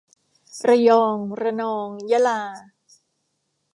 ระยอง ระนอง ยะลา